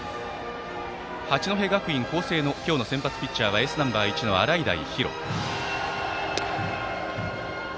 八戸学院光星の今日の先発ピッチャーはエースナンバー１の洗平比呂。